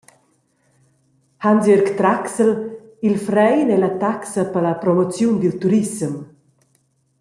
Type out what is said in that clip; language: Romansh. Hansjörg Trachsel: In frein ei la taxa per la promoziun dil turissem.